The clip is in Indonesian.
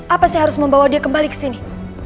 apa sih harus membawa dia kembali ke sini